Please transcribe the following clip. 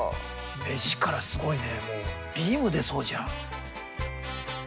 目力すごいねもうビーム出そうじゃん。